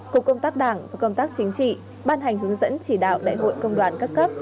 cục công tác đảng và công tác chính trị ban hành hướng dẫn chỉ đạo đại hội công đoàn các cấp